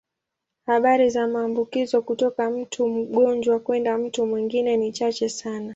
Habari za maambukizo kutoka mtu mgonjwa kwenda mtu mwingine ni chache sana.